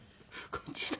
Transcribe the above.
こっちで。